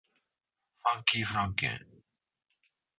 ファンキーフランケン